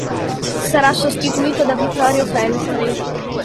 Sarà sostituito da Vittorio Feltri.